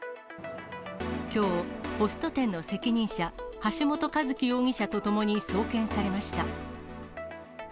きょう、ホスト店の責任者、橋本一喜容疑者とともに送検されました。